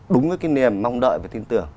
đúng cái niềm mong đợi và tin tưởng